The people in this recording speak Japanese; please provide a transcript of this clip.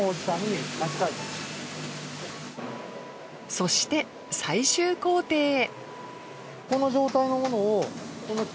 そして最終工程へ。